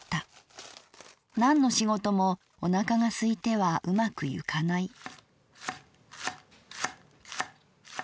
なんの仕事もおなかがすいてはうまくゆかない」。